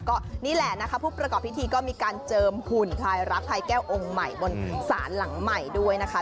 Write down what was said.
ก็นี่แหละนะคะผู้ประกอบพิธีก็มีการเจิมหุ่นพลายรักพลายแก้วองค์ใหม่บนศาลหลังใหม่ด้วยนะคะ